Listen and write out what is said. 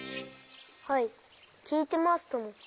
はいきいてますとも。